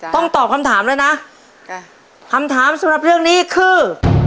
ต้องตอบคำถามแล้วนะคำถามสำหรับเรื่องนี้คือ